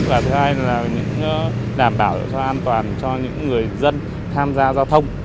và thứ hai là đảm bảo cho an toàn cho những người dân tham gia giao thông